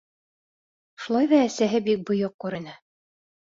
Шулай ҙа әсәһе бик бойоҡ күренә.